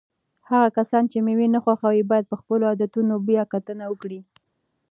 هغه کسان چې مېوې نه خوښوي باید په خپلو عادتونو بیا کتنه وکړي.